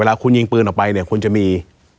เวลาคุณยิงปืนออกไปเนี่ยคุณจะมี